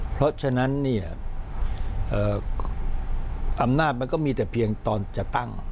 เพราะฉะนั้นเนี่ยอำนาจมันก็มีแต่เพียงตอนจะตั้ง